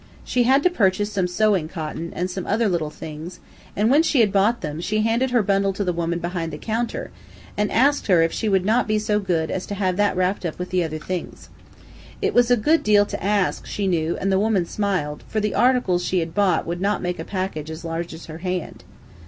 She had to purchase some sewing cotton, and some other little things, and when she had bought them, she handed her bundle to the woman behind the counter, and asked her if she would not be so good as to have that wrapped up with the other things. It was a good deal to ask, she knew, and the woman smiled, for the articles she had bought would not make a package as large as her hand.